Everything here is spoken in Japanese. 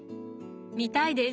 見たいです！